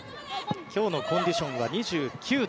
今日のコンディションは２９度。